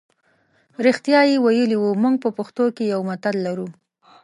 رښتیا یې ویلي وو موږ په پښتو کې یو متل لرو.